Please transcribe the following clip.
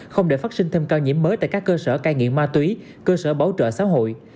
không để phát sinh thêm ca nhiễm mới tại các cơ sở cai nghiện ma túy cơ sở bảo trợ xã hội